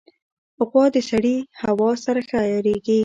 غوا د سړې هوا سره ښه عیارېږي.